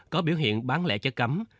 có biểu hiện bán lệ chất cấm